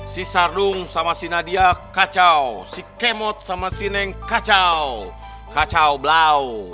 si sardung sama si nadia kacau si kemot sama sineng kacau kacau blau